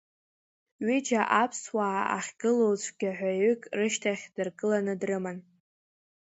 Ҩыџьа аԥсуаа ахьгылоу цәгьаҳәаҩык рышьҭахь дыргыланы дрыман.